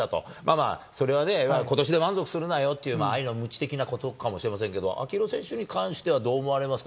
まだそれはね、ことしで満足するなよという愛のむち的なことかもしれませんけれども、秋広選手に関してはどう思われますか？